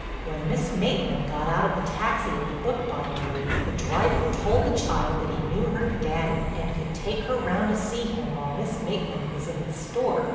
When Miss Maitland got out of the taxi at the bookbindery the driver told the child that he knew her Daddy and could take her round to see him while Miss Maitland was in the store.